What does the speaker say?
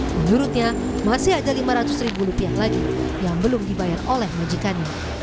menurutnya masih ada lima ratus ribu rupiah lagi yang belum dibayar oleh majikannya